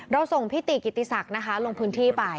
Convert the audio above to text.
ส่งพี่ติกิติศักดิ์นะคะลงพื้นที่ไป